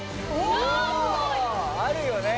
あるよね。